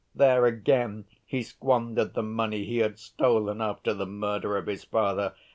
There, again, he squandered the money he had stolen after the murder of his father.